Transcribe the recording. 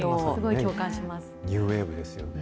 ニューウェーブですよね。